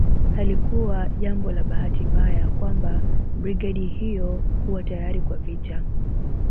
Halikuwa jambo la bahati mbaya kwamba brigedi hiyo kuwa tayari kwa vita